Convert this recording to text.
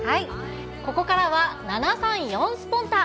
ここからは７３４スポンタっ！